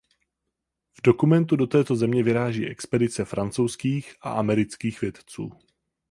V dokumentu do této země vyráží expedice francouzských a amerických vědců.